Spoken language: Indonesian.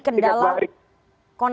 menghukum berat itu buat